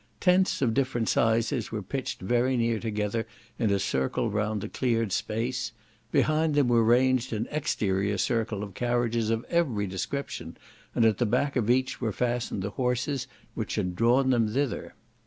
Tents of different sizes were pitched very near together in a circle round the cleared space; behind them were ranged an exterior circle of carriages of every description, and at the back of each were fastened the horses which had drawn them thither.